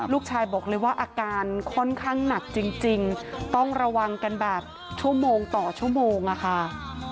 ลูกชายบอกเลยว่าอาการค่อนข้างหนักจริงต้องระวังกันแบบชั่วโมงต่อชั่วโมงอะค่ะ